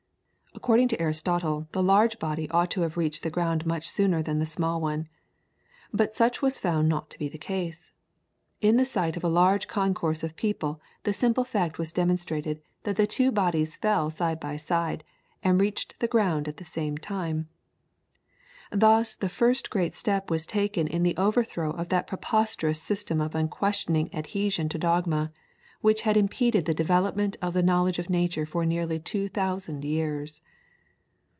According to Aristotle the large body ought to have reached the ground much sooner than the small one, but such was found not to be the case. In the sight of a large concourse of people the simple fact was demonstrated that the two bodies fell side by side, and reached the ground at the same time. Thus the first great step was taken in the overthrow of that preposterous system of unquestioning adhesion to dogma, which had impeded the development of the knowledge of nature for nearly two thousand years.